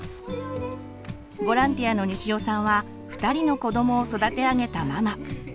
ボランティアの西尾さんは２人の子どもを育て上げたママ。